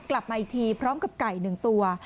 กลับมาอีกทีพร้อมกับไก่๑ตัว